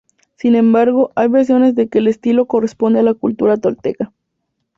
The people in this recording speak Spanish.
Sin embargo, hay versiones de que el estilo corresponde a la cultura tolteca.